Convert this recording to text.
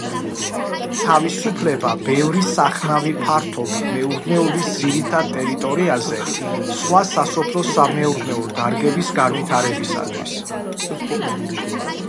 თავისუფლდება ბევრი სახნავი ფართობი მეურნეობის ძირითად ტერიტორიაზე სხვა სასოფლო-სამეურნეო დარგების განვითარებისათვის.